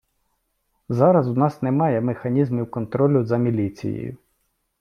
Зараз в нас немає механізмів контролю за міліцією.